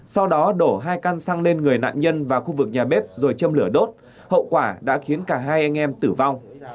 sau đó đổ hai căn xăng lên người nạn nhân vào khu vực nhà bếp rồi châm lửa đốt hậu quả đã khiến cả hai anh em tử vong